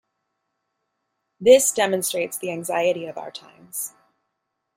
This demonstrates the anxiety of our times.